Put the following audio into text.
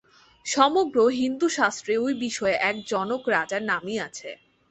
সমগ্র হিন্দুশাস্ত্রে ঐ-বিষয়ে এক জনক রাজার নামই আছে।